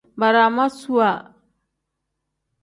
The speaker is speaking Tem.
Baramaasuwa.